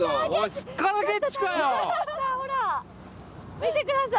見てください